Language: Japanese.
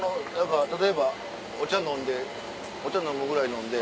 例えばお茶飲んでお茶飲むぐらい飲んで。